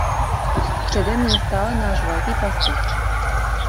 Středem je stále náš Velký Pastýř.